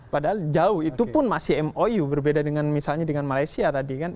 padahal jauh itu pun masih mou berbeda dengan misalnya dengan malaysia tadi kan